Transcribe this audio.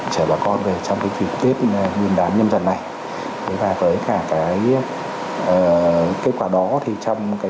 trở bà con về trong cái kỷ tiết nguyên đám nhân dân này và với cả cái kết quả đó thì trong cái